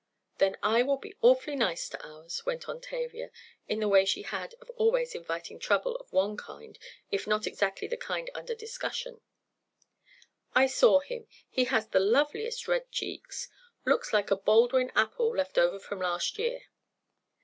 "Then I will have to be awfully nice to ours," went on Tavia, in the way she had of always inviting trouble of one kind if not exactly the kind under discussion. "I saw him. He has the loveliest red cheeks. Looks like a Baldwin apple left over from last year."